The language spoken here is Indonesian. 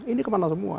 ini kemana semua